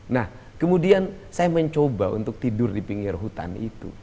nah kemudian saya mencoba untuk tidur di pinggir hutan itu